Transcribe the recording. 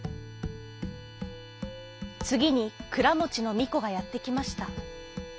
つぎにくらもちのみこがやってきました。